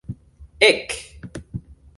Ek!